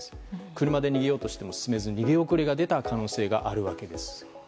車で逃げようとしても進めず逃げ遅れた可能性があるわけです。